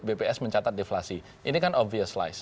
bps mencatat deflasi ini kan obvious lies